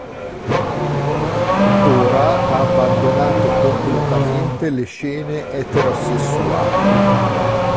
Ora ha abbandonato completamente le scene eterosessuali.